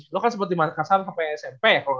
lo kan sempet di makassar sampai smp ya